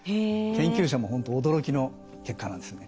研究者も本当驚きの結果なんですね。